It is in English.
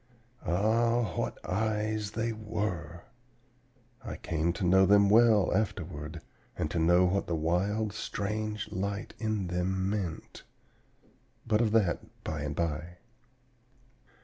Ah, what eyes they were! I came to know them well afterward, and to know what the wild, strange light in them meant; but of that by and by.